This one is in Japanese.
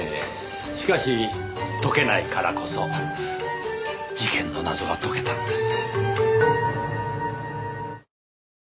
しかし解けないからこそ事件の謎が解けたんです。